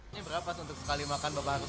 ini berapa untuk sekali makan bapak harus